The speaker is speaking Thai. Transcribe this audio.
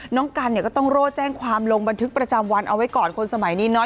น้องกันเนี่ยก็ต้องโร่แจ้งความลงบันทึกประจำวันเอาไว้ก่อนคนสมัยนี้น้อย